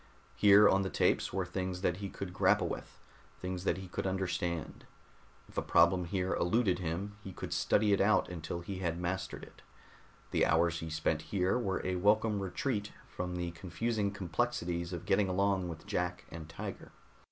Here on the tapes were things that he could grapple with, things that he could understand. If a problem here eluded him, he could study it out until he had mastered it. The hours he spent here were a welcome retreat from the confusing complexities of getting along with Jack and Tiger.